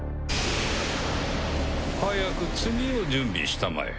早く次を準備したまえ。